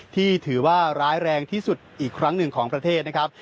ที่ถือว่าร้ายแรงที่สุดอีกครั้งหนึ่งของประเทศนะครับ